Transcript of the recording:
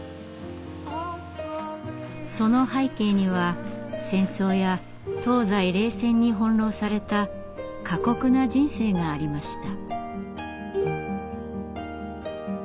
その背景には戦争や東西冷戦に翻弄された過酷な人生がありました。